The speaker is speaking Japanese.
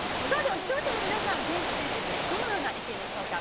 視聴者の皆さん、現時点でどのような意見でしょうか。